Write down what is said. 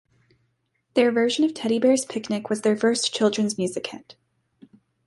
Their version of "Teddy Bears' Picnic" was their first children's music hit.